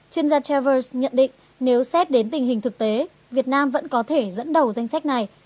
chuyên gia traverse nhận định nếu xét đến tình hình thực tế việt nam vẫn có thể dẫn đầu danh sách này